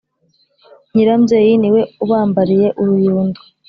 Nyirambyeyi ni we ubambariye uruyundo.